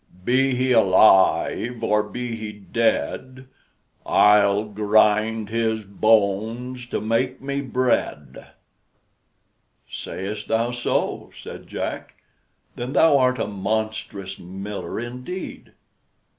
Be he alive or be he dead, I'll grind his bones to make me bread!" "Say'st thou so," said Jack; "then thou art a monstrous miller indeed."